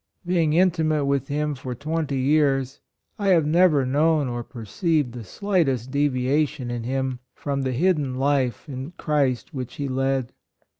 Being intimate with him for twenty years, I have never known or perceived the slightest deviation in him, from the hidden life in Christ which he led.